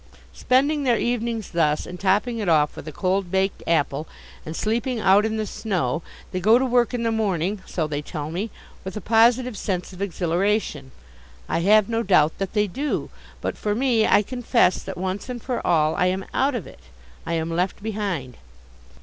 Spending their evenings thus, and topping it off with a cold baked apple, and sleeping out in the snow, they go to work in the morning, so they tell me, with a positive sense of exhilaration. I have no doubt that they do. But, for me, I confess that once and for all I am out of it. I am left behind.